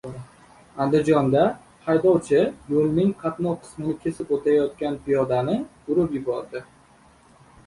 Andijonda haydovchi yo‘lning qatnov qismini kesib o‘tayotgan piyodani urib yubordi